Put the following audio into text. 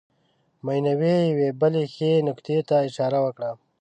مینوي یوې بلې ښې نکتې ته اشاره کوي.